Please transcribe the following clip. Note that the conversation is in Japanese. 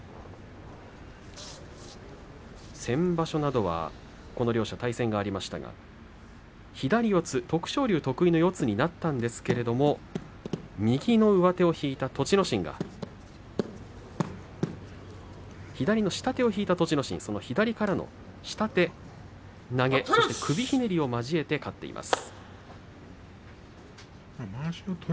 先場所などはこの両者対戦がありましたが左四つ、徳勝龍得意の四つになったんですが左の下手を引いた栃ノ心左からの下手、投げ、首ひねりを交えて勝っています。